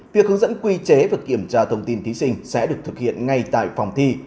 việc hướng dẫn quy chế và kiểm tra thông tin thí sinh sẽ được thực hiện ngay tại phòng thi